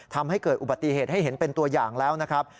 ทำให้เกิดอุบัติเหตุให้เห็นเป็นตัวอย่างแล้วนะครับ